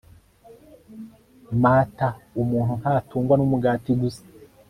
Mt umuntu ntatungwa n umugati gusa